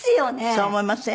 そう思いません？